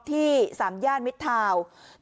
ที่สามย่านมิตรทาวน์